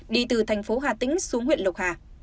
đi từ thành phố hà tĩnh xuống huyện lộc hà